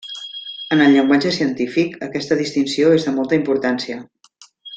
En el llenguatge científic aquesta distinció és de molta importància.